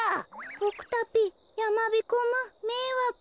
ボクたぴやまびこむめいわく。